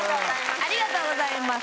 ありがとうございます。